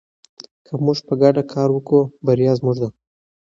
که موږ په ګډه کار وکړو بریا زموږ ده.